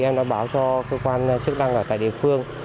em đã báo cho cơ quan chức năng ở tại địa phương